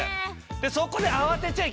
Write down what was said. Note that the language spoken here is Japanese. そこで。